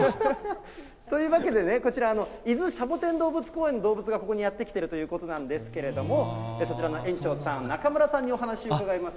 というわけでね、こちら、伊豆シャボテン動物公園の動物がここにやって来てるということなんですけれども、そちらの園長さん、中村さんにお話を伺います。